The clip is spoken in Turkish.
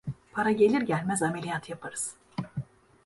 Para gelir gelmez ameliyat yaparız.